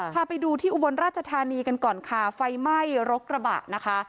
พาไปดูที่อุบลราชธานีกันก่อนค่ะไฟไหม้รกระบะนะคะ